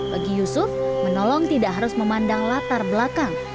bagi yusuf menolong tidak harus memandang latar belakang